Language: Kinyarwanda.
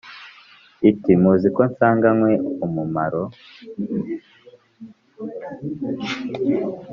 iti : muzi ko nsanganywe umumaro,